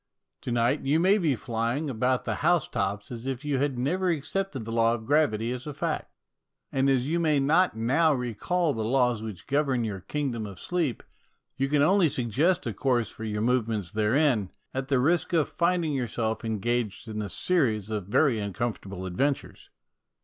To night you may be flying about the house tops as if you had never accepted the law of gravity as a fact. And as you may not now recall the laws which govern your kingdom of sleep, you can only suggest a course for your movements therein, at the risk of finding yourself engaged in a series of very uncom fortable adventures.